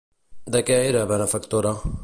De què era benefactora?